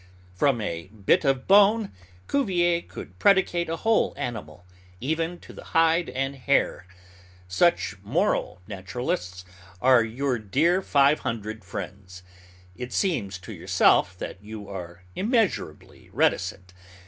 From a bit of bone, Cuvier could predicate a whole animal, even to the hide and hair. Such moral naturalists are your dear five hundred friends. It seems to yourself that you are immeasurably reticent.